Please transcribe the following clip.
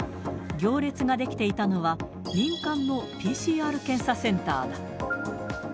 行列が出来ていたのは、民間のＰＣＲ検査センターだ。